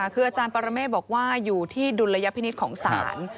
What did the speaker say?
คืออาจารย์ปรเมฆบอกว่าอยู่ที่ดุลยพินิษฐ์ของศาล